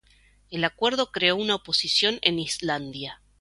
El acuerdo creó una oposición en Islandia.